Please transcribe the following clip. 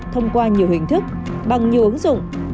thông qua nhiều hình thức bằng nhiều ứng dụng